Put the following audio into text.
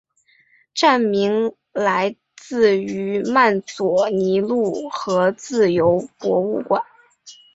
站名来自于曼佐尼路和自由博物馆。